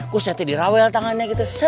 kuset di rawel tangannya gitu